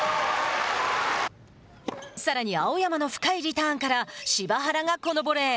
さらに青山の深いリターンから柴原がこのボレー。